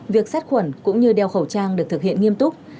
việc sát khuẩn cũng như đeo khẩu trang được thực hiện nghiêm túc